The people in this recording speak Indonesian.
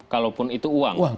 kalaupun itu uang